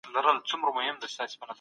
زه ورزش کوم.